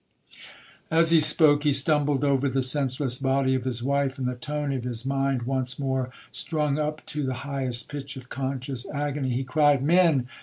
'As he spoke, he stumbled over the senseless body of his wife; and the tone of his mind once more strung up to the highest pitch of conscious agony, he cried, 'Men!